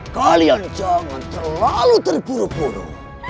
kalian jangan terlalu terpuru puru